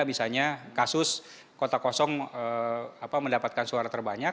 misalnya kasus kotak kosong mendapatkan surat suara